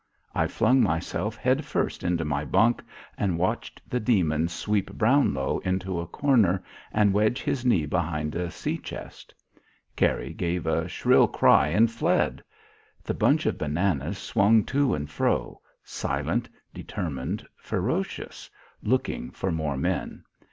I flung myself head first into my bunk and watched the demon sweep Brownlow into a corner and wedge his knee behind a sea chest. Kary gave a shrill cry and fled. The bunch of bananas swung to and fro, silent, determined, ferocious, looking for more men.